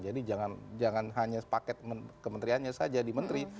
jadi jangan hanya paket kementeriannya saja di menteri